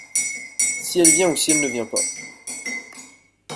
Si elle vient ou si elle ne vient pas.